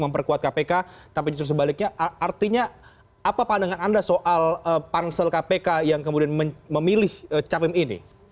pak artinya apa pandangan anda soal pansel kpk yang kemudian memilih capim ini